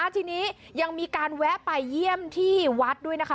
ทีนี้ยังมีการแวะไปเยี่ยมที่วัดด้วยนะคะ